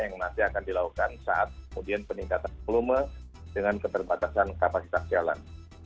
yang nanti akan dilakukan saat kemudian peningkatan volume dengan keterbatasan kapasitas jalan